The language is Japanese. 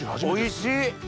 おいしい！